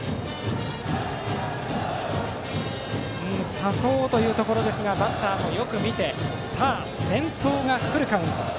誘おうというところですがバッターもよく見てさあ、先頭がフルカウント。